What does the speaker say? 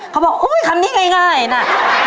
บอกอุ๊ยคำนี้ง่ายนะ